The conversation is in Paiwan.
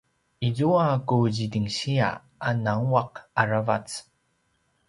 izua ku zidingsiya a nguanguaq aravac